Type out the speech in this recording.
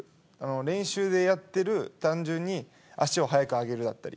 練習でやってる単純に足を早く上げるだったり。